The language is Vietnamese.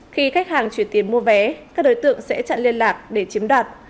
khi khách hàng chuyển tiền mua vé các đối tượng sẽ chặn liên lạc để chiếm đoạt